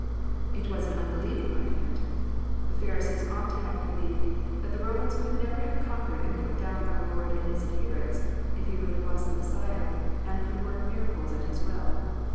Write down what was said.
It was an unbelieving argument. The Pharisees ought to have believed that the Romans could never have conquered and put down our Lord and His adherents, if He really was the Messiah, and could work miracles at His will.